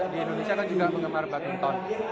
di indonesia kan juga penggemar badminton